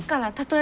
え？